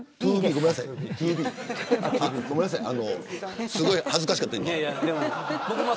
ごめんなさいすごく恥ずかしかったです。